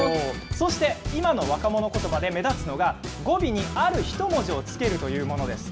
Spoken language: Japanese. そして、今の若者ことばで目立つのが、語尾にある１文字を付けるというものです。